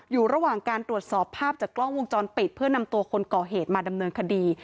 อยู่ระหว่างการตรวจสอบภาพจากกล้องวงจรปิดเพื่อนำตัวคนก่อเหตุมาดำเนินคดี